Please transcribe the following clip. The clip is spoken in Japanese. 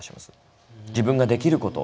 自分ができること。